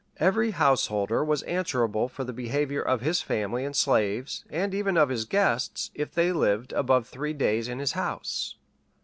Every householder was answerable for the behavior of his family and slaves, and even of his guests, if they lived above three days in his house.